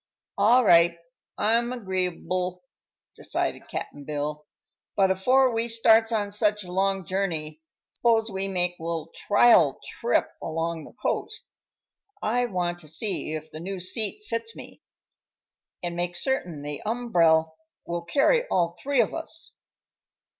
"All right; I'm agree'ble," decided Cap'n Bill. "But afore we starts on such a long journey, s'pose we make a little trial trip along the coast. I want to see if the new seat fits me, an' make certain the umbrel will carry all three of us."